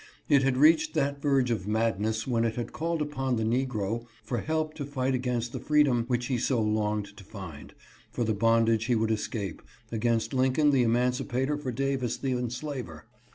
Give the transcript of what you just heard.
It had reached that verge of madness when it had called upon the negro for help to fight against the freedom which he so longed to find, for the bondage he would escape — against Lincoln the eman cipator for Davis the enslaver.